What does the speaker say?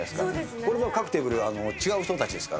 これは各テーブル違う人たちです